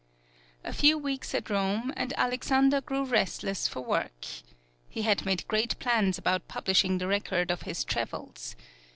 A few weeks at Rome and Alexander grew restless for work. He had made great plans about publishing the record of his travels.